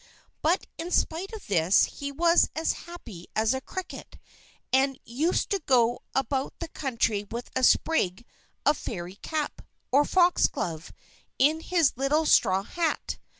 But, in spite of this, he was as happy as a cricket, and used to go about the country with a sprig of Fairy cap, or Foxglove, in his little straw hat.